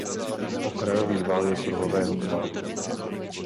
Okrajový val je kruhového tvaru.